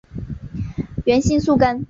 原姓粟根。